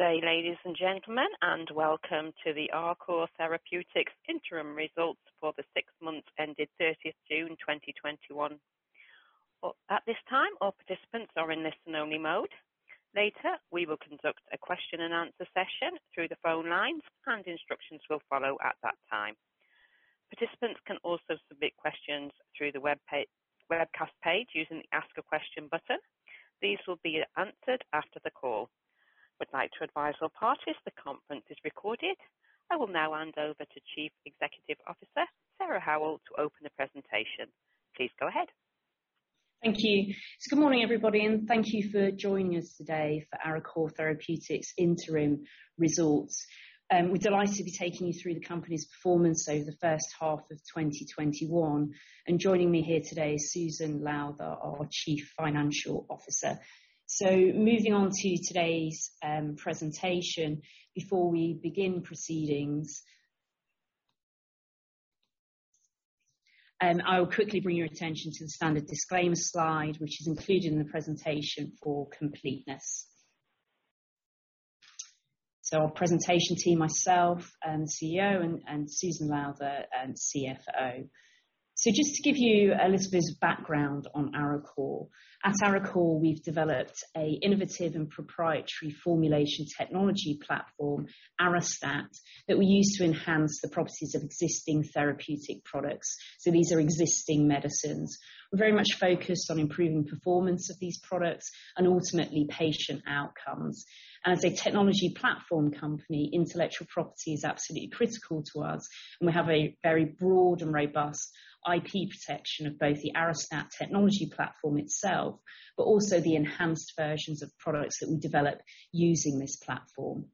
Good day, ladies and gentlemen, and welcome to the Arecor Therapeutics interim results for the six months ending 30th June 2021. At this time, all participants are in listen-only mode. Later, we will conduct a question and answer session through the phone lines, and instructions will follow at that time. Participants can also submit questions through the webcast page using the Ask a Question button. These will be answered after the call. We'd like to advise all parties the conference is recorded. I will now hand over to Chief Executive Officer, Sarah Howell, to open the presentation. Please go ahead. Thank you. Good morning, everybody, thank you for joining us today for Arecor Therapeutics interim results. We're delighted to be taking you through the company's performance over the first half of 2021. Joining me here today is Susan Lowther, our Chief Financial Officer. Moving on to today's presentation, before we begin proceedings, I will quickly bring your attention to the standard disclaimer slide, which is included in the presentation for completeness. Our presentation team, myself, the CEO, and Susan Lowther, CFO. Just to give you a little bit of background on Arecor. At Arecor, we've developed an innovative and proprietary formulation technology platform, Arestat, that we use to enhance the properties of existing therapeutic products. These are existing medicines. We're very much focused on improving performance of these products and ultimately patient outcomes. As a technology platform company, intellectual property is absolutely critical to us, and we have a very broad and robust IP protection of both the Arestat technology platform itself, but also the enhanced versions of products that we develop using this platform.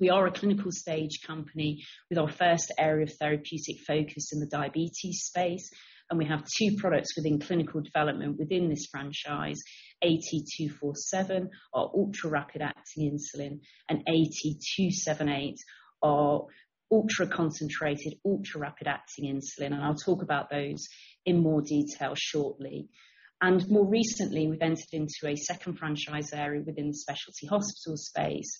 We are a clinical stage company with our first area of therapeutic focus in the diabetes space, and we have two products within clinical development within this franchise, AT247, our ultra-rapid-acting insulin, and AT278, our ultra-concentrated, ultra-rapid-acting insulin, and I'll talk about those in more detail shortly. More recently, we've entered into a second franchise area within the specialty hospital space.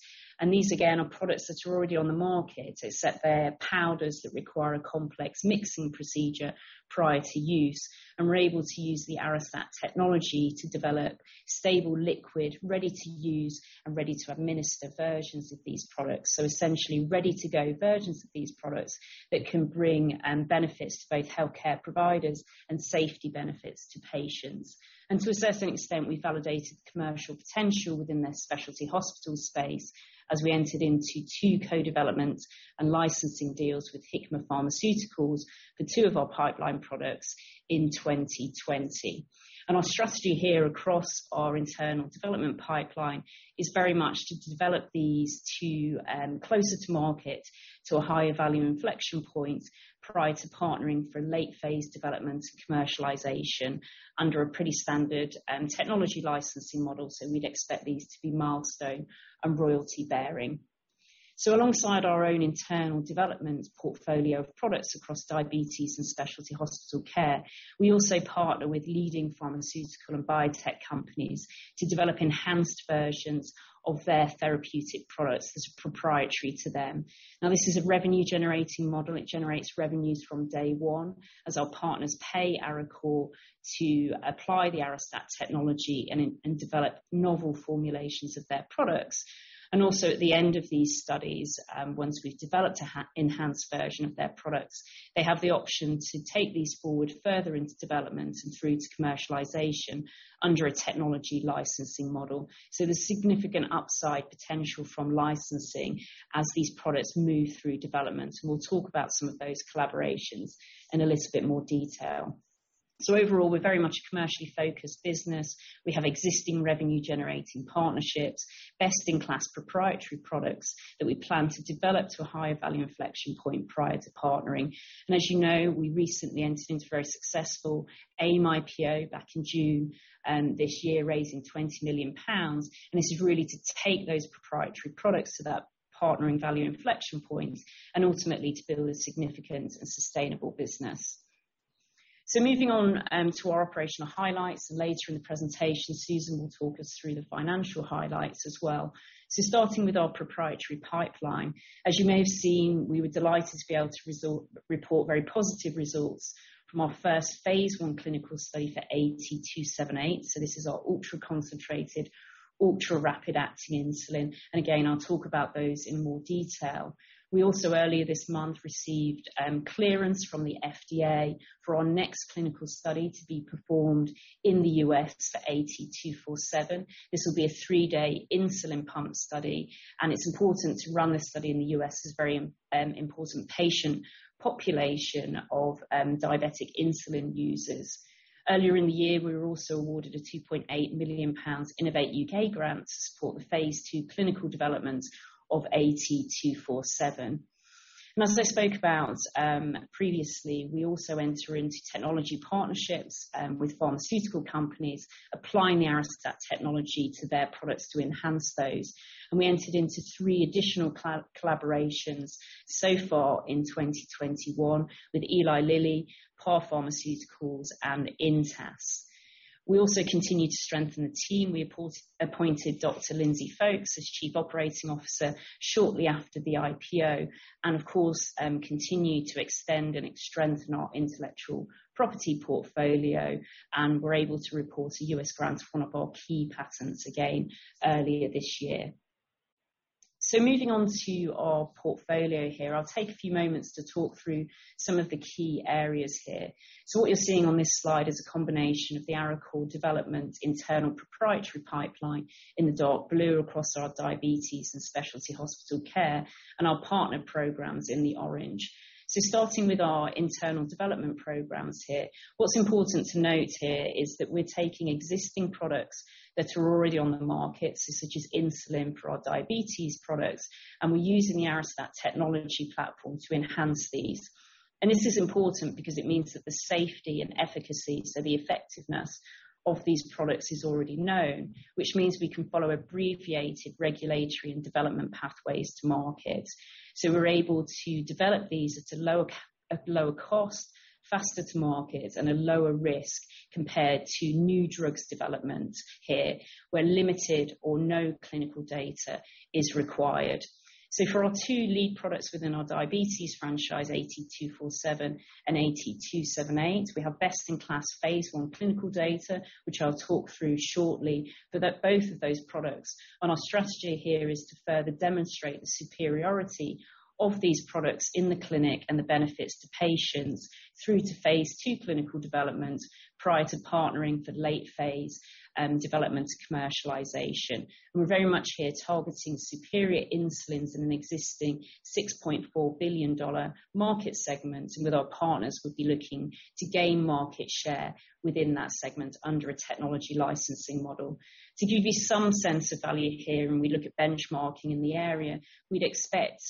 These, again, are products that are already on the market, except they're powders that require a complex mixing procedure prior to use. We're able to use the Arestat technology to develop stable liquid, ready-to-use, and ready-to-administer versions of these products. Essentially, ready-to-go versions of these products that can bring benefits to both healthcare providers and safety benefits to patients. To a certain extent, we validated the commercial potential within the specialty hospital space as we entered into two co-development and licensing deals with Hikma Pharmaceuticals for two of our pipeline products in 2020. Our strategy here across our internal development pipeline is very much to develop these two closer to market to a higher value inflection point prior to partnering for late phase development and commercialization under a pretty standard technology licensing model. We'd expect these to be milestone and royalty bearing. Alongside our own internal development portfolio of products across diabetes and specialty hospital care, we also partner with leading pharmaceutical and biotech companies to develop enhanced versions of their therapeutic products that are proprietary to them. Now, this is a revenue-generating model. It generates revenues from day one as our partners pay Arecor to apply the Arestat technology and develop novel formulations of their products. Also at the end of these studies, once we've developed an enhanced version of their products, they have the option to take these forward further into development and through to commercialization under a technology licensing model. There's significant upside potential from licensing as these products move through development, and we'll talk about some of those collaborations in a little bit more detail. Overall, we're very much a commercially focused business. We have existing revenue-generating partnerships, best-in-class proprietary products that we plan to develop to a higher value inflection point prior to partnering. As you know, we recently entered into a very successful AIM IPO back in June this year, raising 20 million pounds. This is really to take those proprietary products to that partnering value inflection points and ultimately to build a significant and sustainable business. Moving on to our operational highlights. Later in the presentation, Susan will talk us through the financial highlights as well. Starting with our proprietary pipeline, as you may have seen, we were delighted to be able to report very positive results from our first phase I clinical study for AT278. This is our ultra-concentrated, ultra-rapid-acting insulin, and again, I'll talk about those in more detail. We also earlier this month received clearance from the FDA for our next clinical study to be performed in the U.S. for AT247. This will be a three-day insulin pump study, and it's important to run this study in the U.S. It's a very important patient population of diabetic insulin users. Earlier in the year, we were also awarded a 2.8 million pounds Innovate UK grant to support the phase II clinical development of AT247. As I spoke about previously, we also enter into technology partnerships with pharmaceutical companies, applying the Arestat technology to their products to enhance those. We entered into three additional collaborations so far in 2021 with Eli Lilly, Par Pharmaceutical, and Intas. We also continue to strengthen the team. We appointed Dr. Lindsey Foulkes as Chief Operating Officer shortly after the IPO and, of course, continue to extend and strengthen our intellectual property portfolio, and we're able to report a U.S. grant for one of our key patents again earlier this year. Moving on to our portfolio here, I'll take a few moments to talk through some of the key areas here. What you're seeing on this slide is a combination of the Arecor development internal proprietary pipeline in the dark blue across our diabetes and specialty hospital care, and our partner programs in the orange. Starting with our internal development programs here, what's important to note here is that we're taking existing products that are already on the market, such as insulin for our diabetes products, and we're using the Arestat technology platform to enhance these. This is important because it means that the safety and efficacy, so the effectiveness of these products, is already known, which means we can follow abbreviated regulatory and development pathways to market. We're able to develop these at a lower cost, faster to market, and a lower risk compared to new drugs development here, where limited or no clinical data is required. For our two lead products within our diabetes franchise, AT247 and AT278, we have best-in-class phase I clinical data, which I'll talk through shortly, but at both of those products. Our strategy here is to further demonstrate the superiority of these products in the clinic and the benefits to patients through to phase II clinical development prior to partnering for late-phase development commercialization. We're very much here targeting superior insulins in an existing GBP 6.4 billion market segment. With our partners, we'll be looking to gain market share within that segment under a technology licensing model. To give you some sense of value here, when we look at benchmarking in the area, we'd expect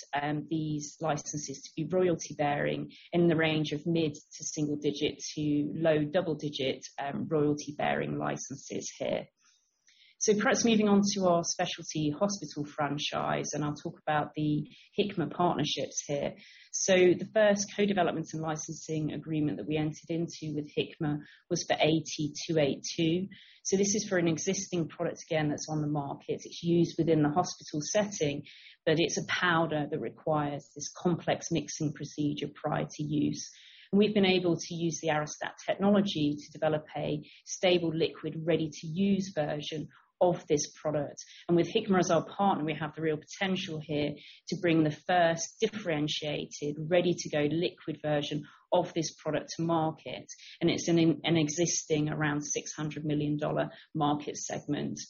these licenses to be royalty-bearing in the range of mid-single digit to low double-digit royalty-bearing licenses here. Perhaps moving on to our specialty hospital franchise, and I'll talk about the Hikma partnerships here. The first co-development and licensing agreement that we entered into with Hikma was for AT282. This is for an existing product, again, that's on the market. It's used within the hospital setting, but it's a powder that requires this complex mixing procedure prior to use. We've been able to use the Arestat technology to develop a stable liquid ready-to-use version of this product. With Hikma as our partner, we have the real potential here to bring the first differentiated, ready-to-go liquid version of this product to market. It's an existing around GBP 600 million market segment.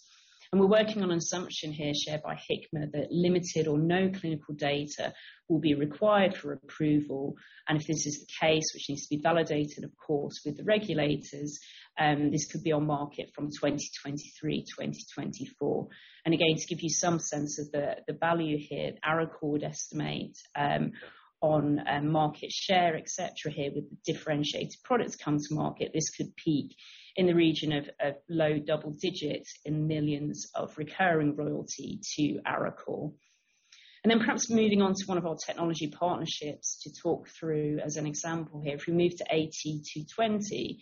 We're working on an assumption here, shared by Hikma, that limited or no clinical data will be required for approval. If this is the case, which needs to be validated, of course, with the regulators, this could be on market from 2023, 2024. Again, to give you some sense of the value here, Arecor estimate on market share, et cetera, here with the differentiated products come to market, this could peak in the region of low double digits in millions of GBP recurring royalty to Arecor. Perhaps moving on to one of our technology partnerships to talk through as an example here. If we move to AT220,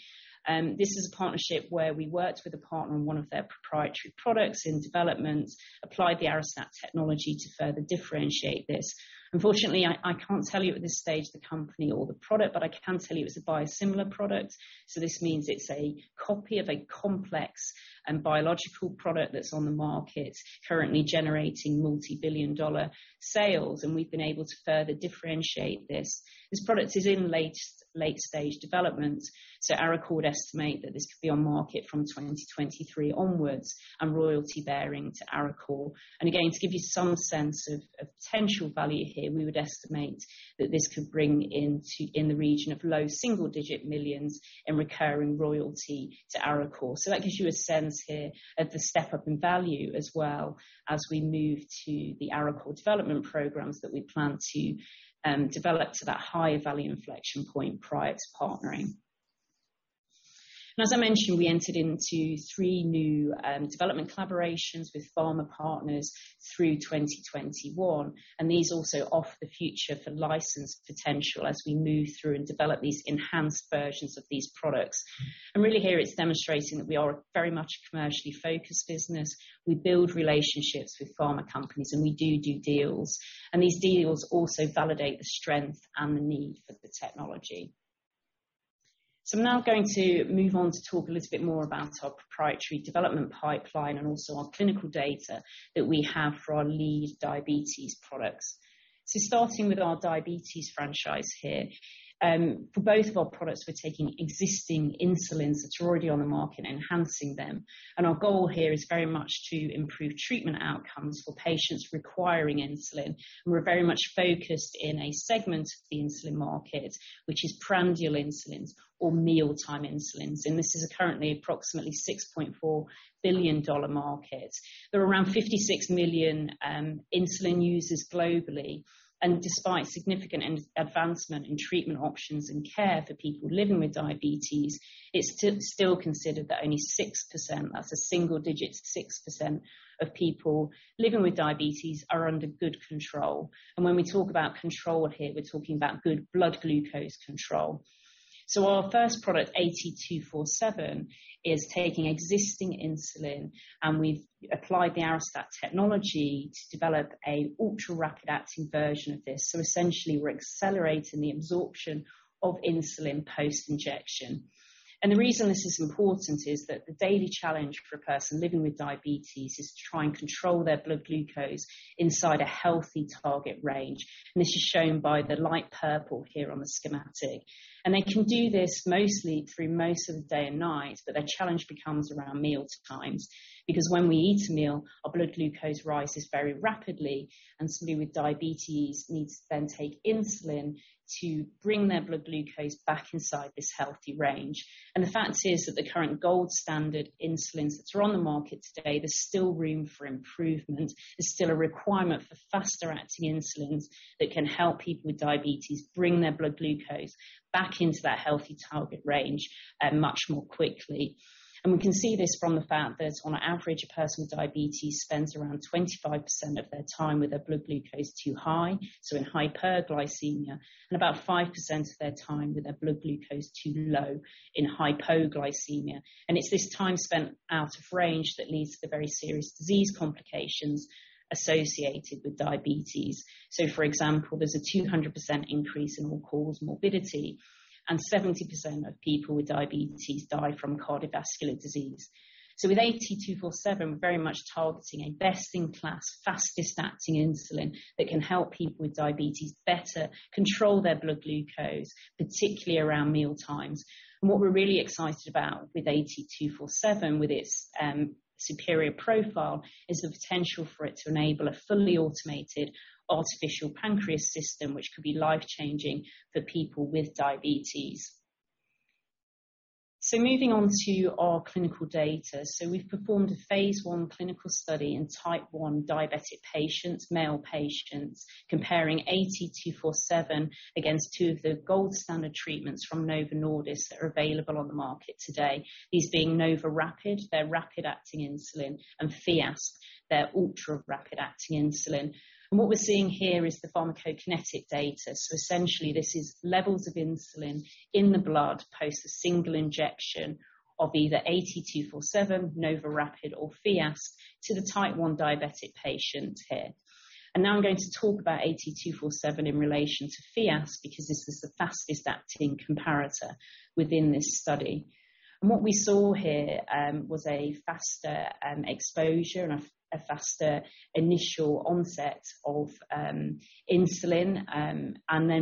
this is a partnership where we worked with a partner on one of their proprietary products in development, applied the Arestat technology to further differentiate this. Unfortunately, I can't tell you at this stage the company or the product, but I can tell you it's a biosimilar product. This means it's a copy of a complex and biological product that's on the market currently generating multibillion-dollar sales. We've been able to further differentiate this. This product is in late stage development. Arecor estimate that this could be on market from 2023 onwards and royalty bearing to Arecor. Again, to give you some sense of potential value here, we would estimate that this could bring in the region of low single digit millions in recurring royalty to Arecor. That gives you a sense here of the step-up in value as well as we move to the Arecor development programs that we plan to develop to that higher value inflection point prior to partnering. As I mentioned, we entered into three new development collaborations with pharma partners through 2021, and these also offer the future for license potential as we move through and develop these enhanced versions of these products. Really here it's demonstrating that we are very much a commercially focused business. We build relationships with pharma companies, and we do deals, and these deals also validate the strength and the need for the technology. I'm now going to move on to talk a little bit more about our proprietary development pipeline and also our clinical data that we have for our lead diabetes products. Starting with our diabetes franchise here. For both of our products, we're taking existing insulins that are already on the market and enhancing them. Our goal here is very much to improve treatment outcomes for patients requiring insulin. We're very much focused in a segment of the insulin market, which is prandial insulins or mealtime insulins, this is currently approximately GBP 6.4 billion market. There are around 56 million insulin users globally, and despite significant advancement in treatment options and care for people living with diabetes, it's still considered that only 6%, that's a single digit, 6%, of people living with diabetes are under good control. When we talk about control here, we're talking about good blood glucose control. Our first product, AT247, is taking existing insulin, and we've applied the Arestat technology to develop a ultra-rapid acting version of this. Essentially, we're accelerating the absorption of insulin post-injection. The reason this is important is that the daily challenge for a person living with diabetes is to try and control their blood glucose inside a healthy target range, and this is shown by the light purple here on the schematic. They can do this mostly through most of the day and night, but their challenge becomes around meal times, because when we eat a meal, our blood glucose rises very rapidly, and somebody with diabetes needs to then take insulin to bring their blood glucose back inside this healthy range. The fact is that the current gold standard insulins that are on the market today, there's still room for improvement. There's still a requirement for faster-acting insulins that can help people with diabetes bring their blood glucose back into that healthy target range, much more quickly. We can see this from the fact that on average, a person with diabetes spends around 25% of their time with their blood glucose too high, so in hyperglycemia, and about 5% of their time with their blood glucose too low in hypoglycemia. It's this time spent out of range that leads to the very serious disease complications associated with diabetes. For example, there's a 200% increase in all-cause morbidity, and 70% of people with diabetes die from cardiovascular disease. With AT247, we're very much targeting a best-in-class, fastest-acting insulin that can help people with diabetes better control their blood glucose, particularly around mealtimes. What we're really excited about with AT247, with its superior profile, is the potential for it to enable a fully automated artificial pancreas system, which could be life-changing for people with diabetes. Moving on to our clinical data. We've performed a phase I clinical study in type 1 diabetic patients, male patients, comparing AT247 against two of the gold standard treatments from Novo Nordisk that are available on the market today. These being NovoRapid, their rapid-acting insulin, and Fiasp, their ultra-rapid acting insulin. What we're seeing here is the pharmacokinetic data. Essentially, this is levels of insulin in the blood post a single injection of either AT247, NovoRapid or Fiasp to the type 1 diabetic patient here. Now I'm going to talk about AT247 in relation to Fiasp, because this is the fastest acting comparator within this study. What we saw here, was a faster exposure and a faster initial onset of insulin.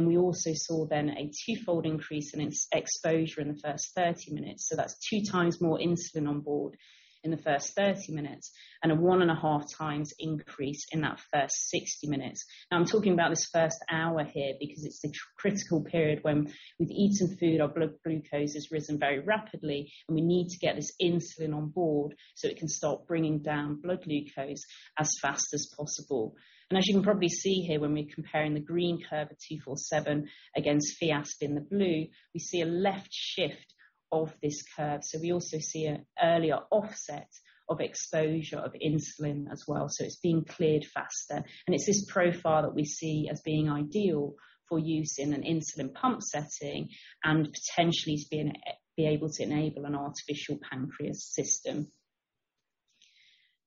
We also saw then a two-fold increase in its exposure in the first 30 minutes. That's two times more insulin on board in the first 30 minutes, and a 1.5 times increase in that first 60 minutes. I'm talking about this first hour here because it's the critical period when we've eaten food, our blood glucose has risen very rapidly, and we need to get this insulin on board so it can start bringing down blood glucose as fast as possible. As you can probably see here, when we're comparing the green curve of 247 against Fiasp in the blue, we see a left shift of this curve. We also see an earlier offset of exposure of insulin as well. It's being cleared faster. It's this profile that we see as being ideal for use in an insulin pump setting and potentially to be able to enable an artificial pancreas system.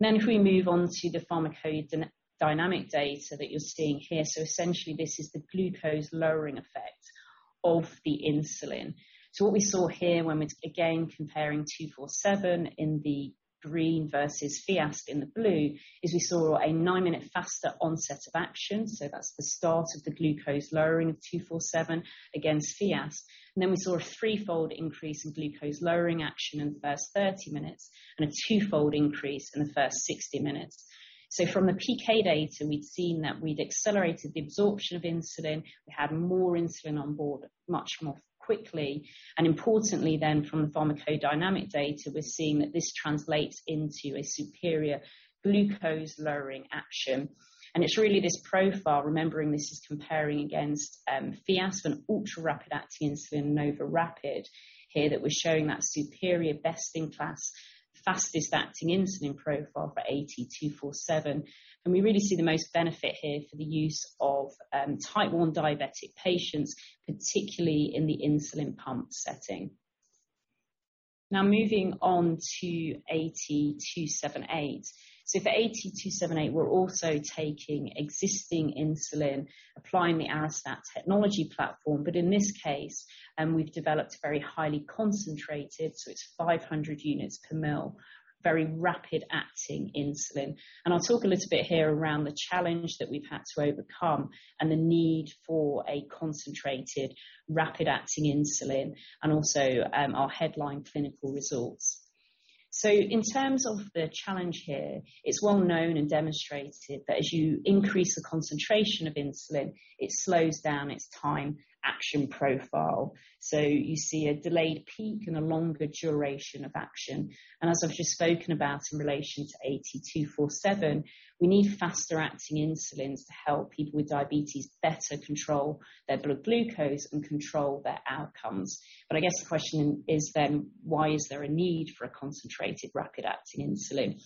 If we move on to the pharmacodynamic data that you're seeing here. Essentially, this is the glucose-lowering effect of the insulin. What we saw here when we're, again, comparing 247 in the green versus Fiasp in the blue, is we saw a nine-minute faster onset of action. That's the start of the glucose lowering of 247 against Fiasp. Then we saw a three-fold increase in glucose-lowering action in the first 30 minutes and a two-fold increase in the first 60 minutes. From the PK data, we'd seen that we'd accelerated the absorption of insulin. We had more insulin on board much more quickly. Importantly then from the pharmacodynamic data, we're seeing that this translates into a superior glucose-lowering action. It's really this profile, remembering this is comparing against Fiasp, an ultra-rapid acting insulin, NovoRapid, here that we're showing that superior best-in-class, fastest-acting insulin profile for AT247. We really see the most benefit here for the use of type 1 diabetic patients, particularly in the insulin pump setting. Now moving on to AT278. For AT278, we're also taking existing insulin, applying the Arestat technology platform. In this case, we've developed very highly concentrated, so it's 500 units per mil, very rapid-acting insulin. I'll talk a little bit here around the challenge that we've had to overcome and the need for a concentrated rapid-acting insulin and also our headline clinical results. In terms of the challenge here, it's well known and demonstrated that as you increase the concentration of insulin, it slows down its time action profile. You see a delayed peak and a longer duration of action. As I've just spoken about in relation to AT247, we need faster acting insulins to help people with diabetes better control their blood glucose and control their outcomes. I guess the question is then, why is there a need for a concentrated rapid-acting insulin?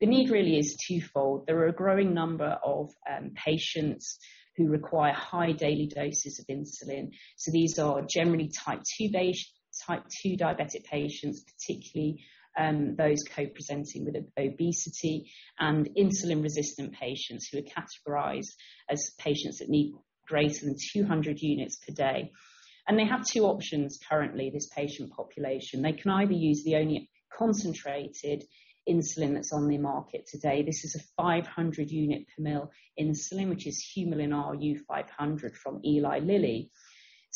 The need really is two-fold. There are a growing number of patients who require high daily doses of insulin. These are generally type 2 diabetic patients, particularly those co-presenting with obesity and insulin-resistant patients who are categorized as patients that need greater than 200 units per day. They have two options currently, this patient population. They can either use the only concentrated insulin that's on the market today. This is a 500 unit per ml insulin, which is Humulin R U-500 from Eli Lilly.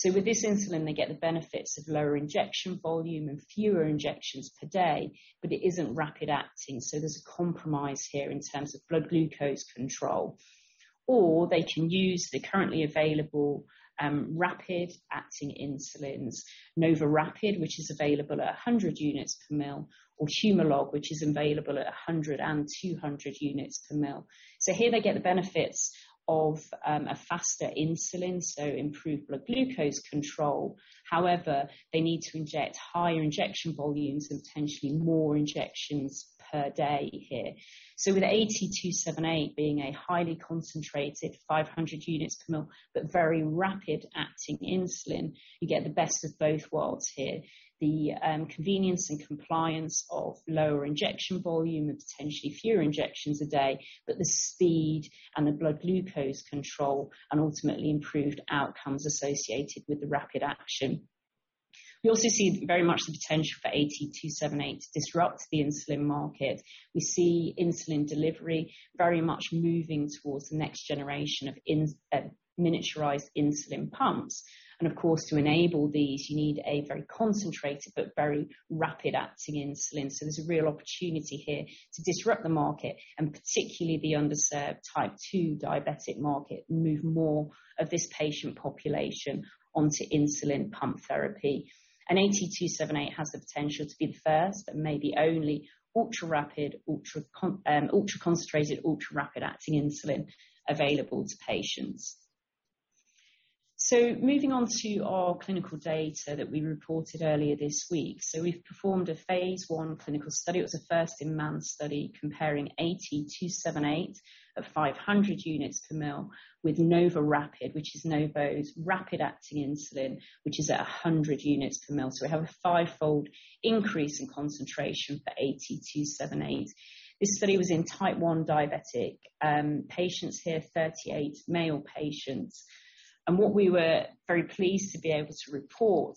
With this insulin, they get the benefits of lower injection volume and fewer injections per day, but it isn't rapid acting, there's a compromise here in terms of blood glucose control. They can use the currently available, rapid-acting insulins, NovoRapid, which is available at 100 units per ml, or Humalog, which is available at 100 and 200 units per ml. Here they get the benefits of a faster insulin, so improved blood glucose control. However, they need to inject higher injection volumes and potentially more injections per day here. With AT278 being a highly concentrated 500 units per ml but very rapid-acting insulin, you get the best of both worlds here. The convenience and compliance of lower injection volume and potentially fewer injections a day, but the speed and the blood glucose control and ultimately improved outcomes associated with the rapid action. We also see very much the potential for AT278 to disrupt the insulin market. We see insulin delivery very much moving towards the next generation of miniaturized insulin pumps. Of course, to enable these, you need a very concentrated but very rapid-acting insulin. There's a real opportunity here to disrupt the market and particularly the underserved type 2 diabetic market, and move more of this patient population onto insulin pump therapy. AT278 has the potential to be the first, but maybe only ultra-concentrated, ultra-rapid acting insulin available to patients. Moving on to our clinical data that we reported earlier this week. We've performed a phase I clinical study. It was a first in man study comparing AT278 at 500 units per ml with NovoRapid, which is Novo's rapid-acting insulin, which is at 100 units per ml. We have a five-fold increase in concentration for AT278. This study was in type 1 diabetic patients here, 38 male patients. What we were very pleased to be able to report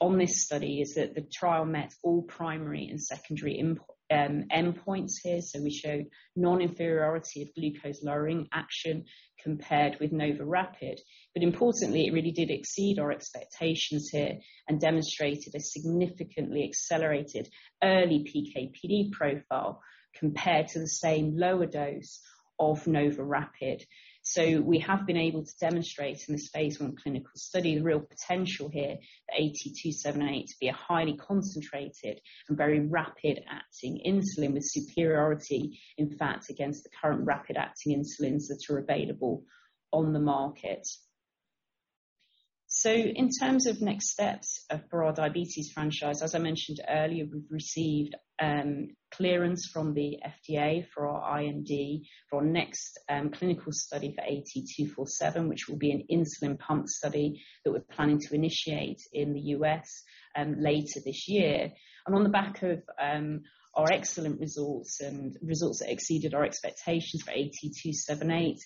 on this study is that the trial met all primary and secondary endpoints here. We showed non-inferiority of glucose-lowering action compared with NovoRapid. Importantly, it really did exceed our expectations here and demonstrated a significantly accelerated early PK/PD profile compared to the same lower dose of NovoRapid. We have been able to demonstrate in this phase I clinical study, the real potential here for AT278 to be a highly concentrated and very rapid-acting insulin with superiority, in fact, against the current rapid-acting insulins that are available on the market. In terms of next steps for our diabetes franchise, as I mentioned earlier, we've received clearance from the FDA for our IND for our next clinical study for AT247, which will be an insulin pump study that we're planning to initiate in the U.S., later this year. On the back of our excellent results and results that exceeded our expectations for AT278,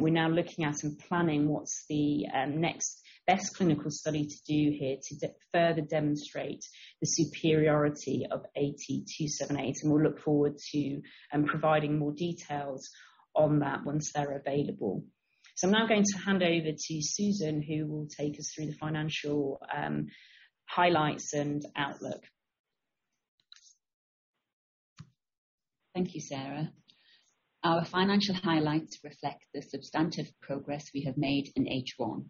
we're now looking at and planning what's the next best clinical study to do here to further demonstrate the superiority of AT278. We'll look forward to providing more details on that once they're available. I'm now going to hand over to Susan, who will take us through the financial highlights and outlook. Thank you, Sarah. Our financial highlights reflect the substantive progress we have made in H1.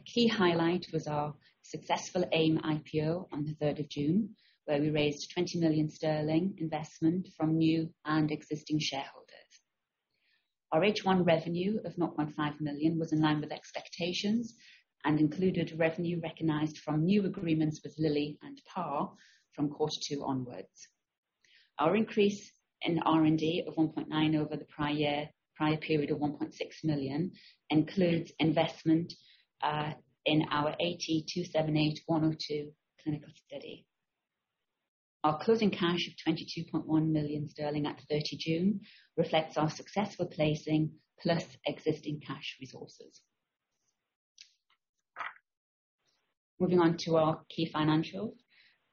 A key highlight was our successful AIM IPO on the 3rd of June, where we raised 20 million sterling investment from new and existing shareholders. Our H1 revenue of 0.5 million was in line with expectations and included revenue recognized from new agreements with Lilly and Par from Q2 onwards. Our increase in R&D of 1.9 million over the prior period of 1.6 million includes investment in our AT278 102 clinical study. Our closing cash of 22.1 million sterling at 30 June reflects our successful placing plus existing cash resources. Moving on to our key financials.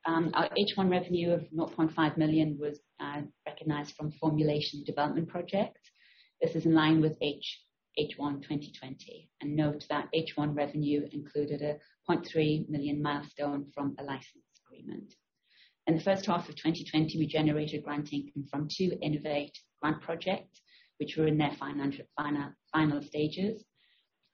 Our H1 revenue of 0.5 million was recognized from formulation and development project. This is in line with H1 2020, and note that H1 revenue included a 0.3 million milestone from a license agreement. In the first half of 2020, we generated grant income from two Innovate grant project, which were in their final stages.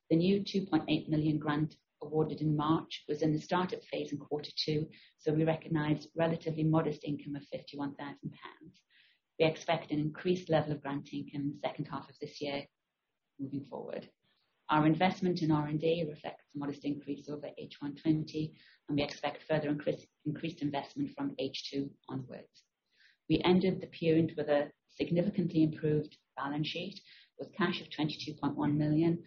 The new 2.8 million grant awarded in March was in the start-up phase in quarter two, we recognized relatively modest income of 51,000 pounds. We expect an increased level of grant income in the second half of this year moving forward. Our investment in R&D reflects a modest increase over H1 20, we expect further increased investment from H2 onwards. We ended the period with a significantly improved balance sheet with cash of 22.1 million,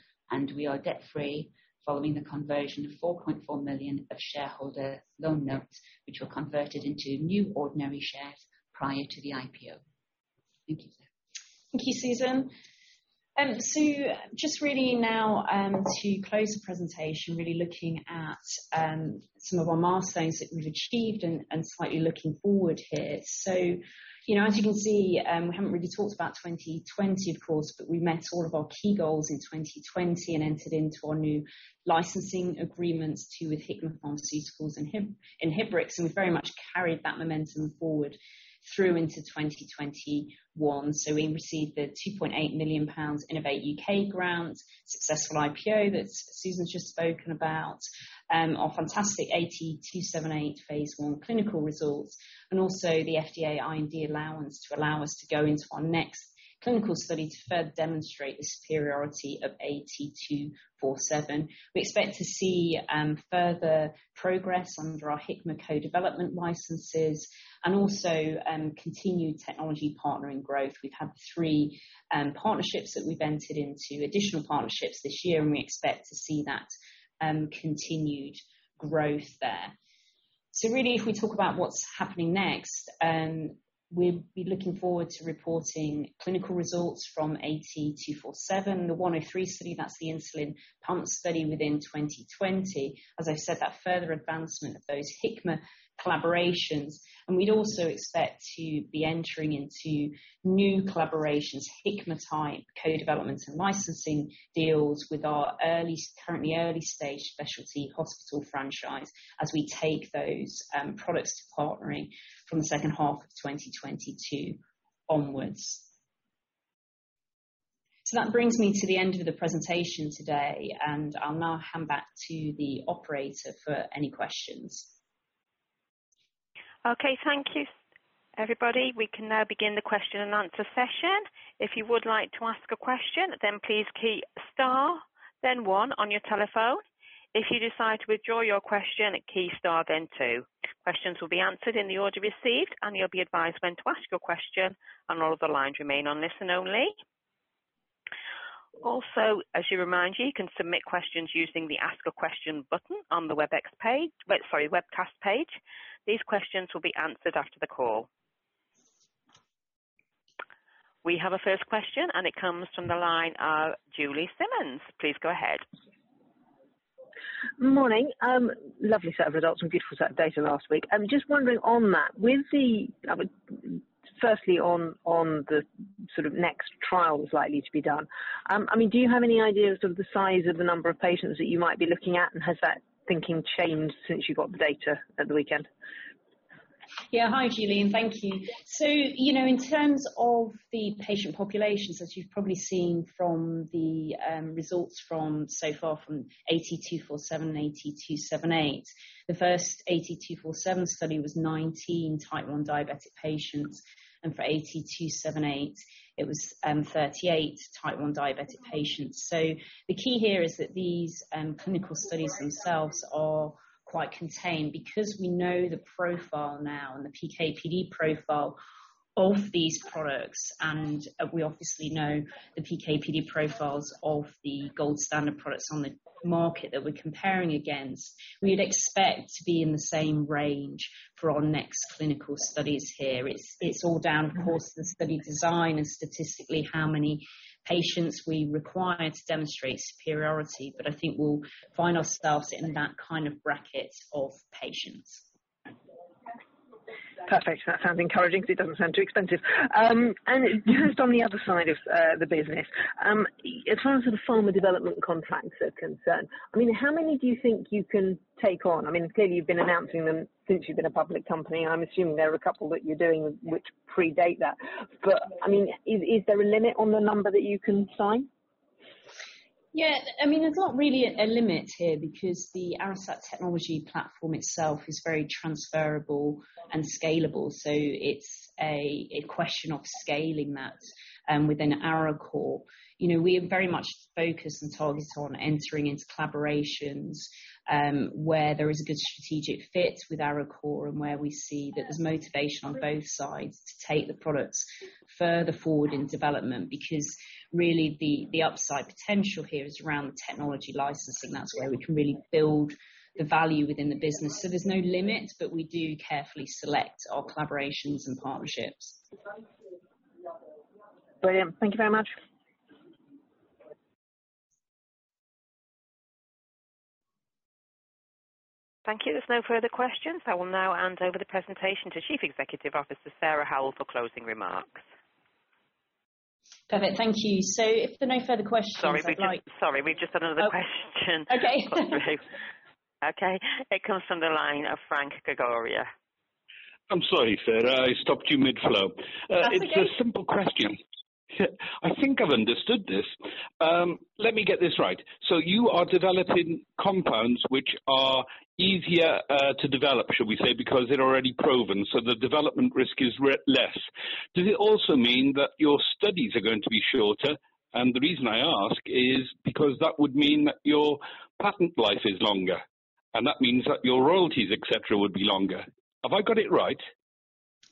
we are debt-free following the conversion of 4.4 million of shareholder loan notes, which were converted into new ordinary shares prior to the IPO. Thank you, Sarah. Thank you, Susan. Just really now to close the presentation, really looking at some of our milestones that we've achieved and slightly looking forward here. As you can see, we haven't really talked about 2020, of course, but we met all of our key goals in 2020 and entered into our new licensing agreements too, with Hikma Pharmaceuticals and Inhibrx, and we very much carried that momentum forward through into 2021. We received the 2.8 million pounds Innovate UK grant, successful IPO that Susan's just spoken about, our fantastic AT278 phase I clinical results, and also the FDA IND allowance to allow us to go into our next clinical study to further demonstrate the superiority of AT247. We expect to see further progress under our Hikma co-development licenses and also continued technology partnering growth. We've had three partnerships that we've entered into, additional partnerships this year, and we expect to see that continued growth there. Really, if we talk about what's happening next, we'll be looking forward to reporting clinical results from AT247, the 103 study, that's the insulin pump study within 2020. As I've said, that further advancement of those Hikma collaborations, and we'd also expect to be entering into new collaborations, Hikma type co-development and licensing deals with our currently early-stage specialty hospital franchise as we take those products to partnering from the second half of 2022 onwards. That brings me to the end of the presentation today, and I'll now hand back to the operator for any questions. Okay. Thank you, everybody. We can now begin the question and answer session. If you would like to ask a question, then please key star, then one on your telephone. If you decide to withdraw your question, key star, then two. Questions will be answered in the order received, and you'll be advised when to ask your question, and all of the lines remain on listen only. As you remind you can submit questions using the "Ask a Question" button on the Webex page. Wait, sorry, Webcast page. These questions will be answered after the call. We have a first question, and it comes from the line of Julie Simmonds. Please go ahead. Morning. Lovely set of results and beautiful set of data last week. I'm just wondering on that, firstly on the sort of next trials likely to be done. Do you have any ideas of the size of the number of patients that you might be looking at, and has that thinking changed since you got the data at the weekend? Yeah. Hi, Julie, and thank you. In terms of the patient populations, as you've probably seen from the results from so far from AT247 and AT278. The first AT247 study was 19 type 1 diabetic patients, and for AT278 it was 38 type 1 diabetic patients. The key here is that these clinical studies themselves are quite contained because we know the profile now and the PK/PD profile of these products, and we obviously know the PK/PD profiles of the gold standard products on the market that we're comparing against. We'd expect to be in the same range for our next clinical studies here. It's all down, of course, the study design and statistically how many patients we require to demonstrate superiority. I think we'll find ourselves in that kind of bracket of patients. Perfect. That sounds encouraging because it doesn't sound too expensive. Just on the other side of the business, as far as the pharma development contracts are concerned, how many do you think you can take on? Clearly, you've been announcing them since you've been a public company. I'm assuming there are a couple that you're doing which predate that. Is there a limit on the number that you can sign? Yeah. There's not really a limit here because the Arestat technology platform itself is very transferable and scalable, so it's a question of scaling that within Arecor. We are very much focused and targeted on entering into collaborations, where there is a good strategic fit with Arecor and where we see that there's motivation on both sides to take the products further forward in development. Really the upside potential here is around the technology licensing. That's where we can really build the value within the business. There's no limit, but we do carefully select our collaborations and partnerships. Brilliant. Thank you very much. Thank you. There's no further questions. I will now hand over the presentation to Chief Executive Officer, Sarah Howell, for closing remarks. Perfect. Thank you. If there are no further questions. Sorry. We've just had another question come through. Okay. Okay. It comes from the line of Franc Gregori. I'm sorry, Sarah, I stopped you mid-flow. That's okay. It's a simple question. I think I've understood this. Let me get this right. You are developing compounds which are easier to develop, shall we say, because they're already proven, so the development risk is less. Does it also mean that your studies are going to be shorter? The reason I ask is because that would mean that your patent life is longer, and that means that your royalties, et cetera, would be longer. Have I got it right?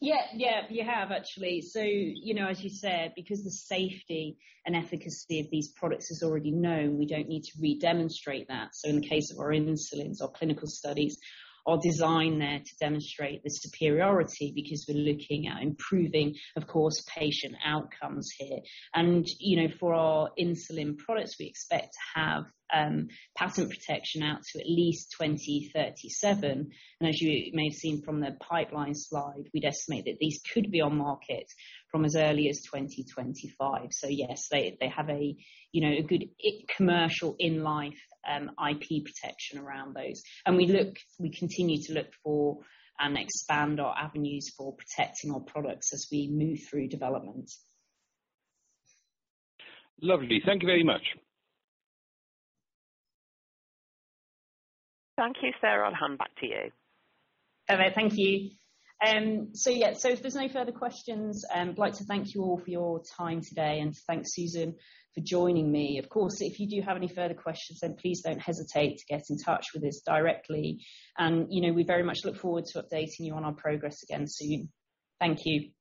Yeah. You have, actually. As you said, because the safety and efficacy of these products is already known, we don't need to redemonstrate that. In the case of our insulins, our clinical studies are designed there to demonstrate the superiority because we're looking at improving, of course, patient outcomes here. For our insulin products, we expect to have patent protection out to at least 2037. As you may have seen from the pipeline slide, we'd estimate that these could be on market from as early as 2025. Yes, they have a good commercial in life, IP protection around those. We continue to look for and expand our avenues for protecting our products as we move through development. Lovely. Thank you very much. Thank you, Sarah. I'll hand back to you. Perfect. Thank you. If there's no further questions, I'd like to thank you all for your time today, and to thank Susan for joining me. If you do have any further questions, then please don't hesitate to get in touch with us directly. We very much look forward to updating you on our progress again soon. Thank you.